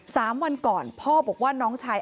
สามวันก่อนพ่อบอกว่าน้องชาย